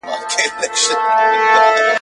دلته کیسې د شاپېریو د بدریو کېدې !.